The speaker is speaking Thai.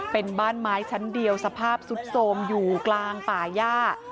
เป็นบ้านไม้ชั้นเดียวสภาพสุดโทรมอยู่กลางป่าย่า